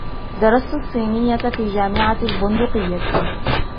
درستُ الصينية في جامعة البندقية.